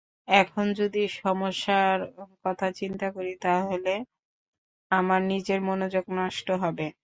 এখন যদি সমস্যার কথা চিন্তা করি, তাহলে আমার নিজের মনোযোগ নষ্ট হবে।